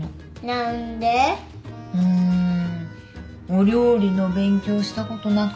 お料理の勉強したことなくて。